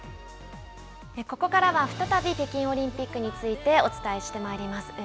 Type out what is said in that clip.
ここからは、再び北京オリンピックについてお伝えしてまいります。